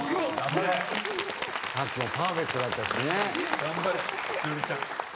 ・さっきもパーフェクトだったしね。